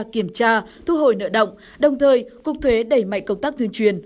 kiểm tra thu hồi nợ động đồng thời cuộc thuế đẩy mạnh công tác thuyền truyền